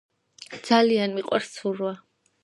ძალიან მიყვარს ცურვა